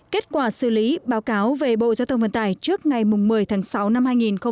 kết quả xử lý báo cáo về bộ giao thông vận tải trước ngày một mươi tháng sáu năm hai nghìn một mươi chín